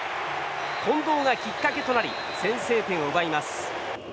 近藤がきっかけとなり先制点を奪います。